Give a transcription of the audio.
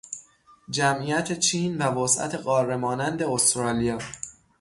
جمعیت چین و وسعت قاره مانند استرالیا